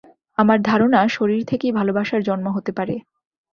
আমার ধারণা শরীর থেকেই ভালবাসার জন্ম হতে পারে।